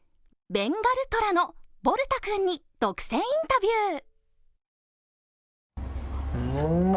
ベンガルトラのボルタ君に独占インタビュー。